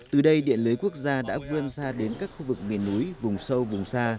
từ đây điện lưới quốc gia đã vươn xa đến các khu vực miền núi vùng sâu vùng xa